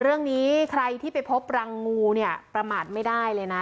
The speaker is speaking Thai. เรื่องนี้ใครที่ไปพบรังงูเนี่ยประมาทไม่ได้เลยนะ